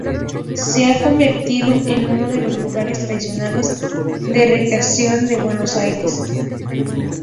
Se ha convertido en uno de los lugares tradicionales de recreación de Buenos Aires.